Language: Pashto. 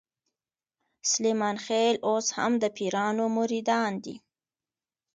سلیمان خېل اوس هم د پیرانو مریدان دي.